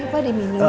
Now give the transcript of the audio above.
tidak ada makanan kan